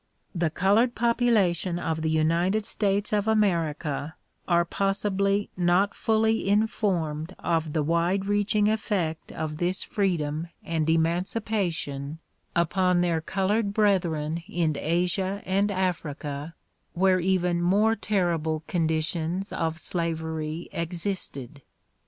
The colored population of the United States of America are possibly not fully informed of the wide reaching effect of this freedom and DISCOURSES DELIVERED IN WASHINGTON 43 emancipation upon their colored brethren in Asia and Africa where even more terrible conditions of slavery existed.